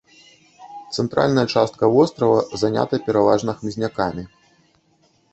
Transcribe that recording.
Цэнтральная частка вострава занята пераважна хмызнякамі.